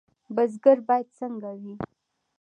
بزګر باید څنګه وي؟